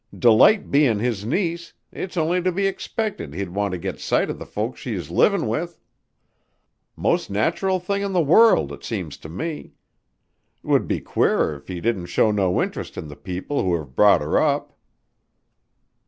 Delight bein' his niece, it's only to be expected he'd want to get sight of the folks she is livin' with. Most natural thing in the world, it seems to me. 'Twould be queerer if he didn't show no interest in the people who have brought her up."